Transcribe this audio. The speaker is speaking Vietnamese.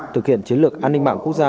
thực hiện chiến lược an ninh mạng quốc gia